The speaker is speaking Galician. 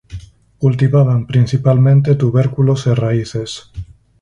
Cultivaban principalmente tubérculos e raíces.